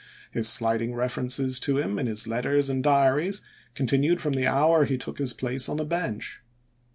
His slighting references to him in his letters and diaries continued from the hour he took his place on the bench.